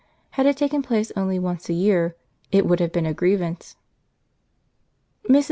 Had it taken place only once a year, it would have been a grievance. Mrs.